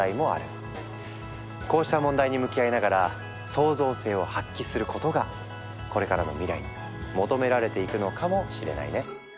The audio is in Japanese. こうした問題に向き合いながら創造性を発揮することがこれからの未来に求められていくのかもしれないね。